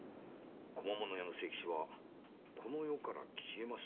小間物屋の清吉はこの世から消えます」